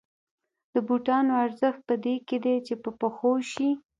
د بوټانو ارزښت په دې کې دی چې په پښو شي